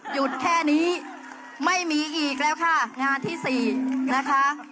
หยุดแค่นี้ไม่มีอีกแล้วค่ะงานที่สี่นะคะ